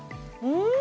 うん！